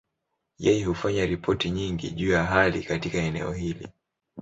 Yeye hufanya ripoti nyingi juu ya hali katika eneo hili.